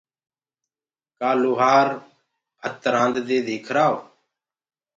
ڪآ لوهآرو ڀت رآنددي ديکرآئو